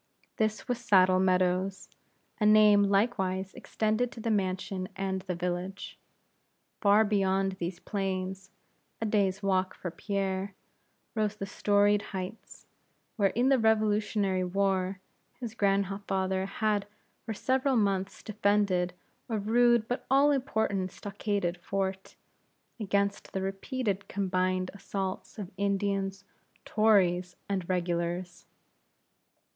This was Saddle Meadows, a name likewise extended to the mansion and the village. Far beyond these plains, a day's walk for Pierre, rose the storied heights, where in the Revolutionary War his grandfather had for several months defended a rude but all important stockaded fort, against the repeated combined assaults of Indians, Tories, and Regulars.